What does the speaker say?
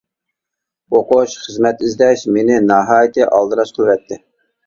ئوقۇش، خىزمەت ئىزدەش مېنى ناھايىتى ئالدىراش قىلىۋەتتى.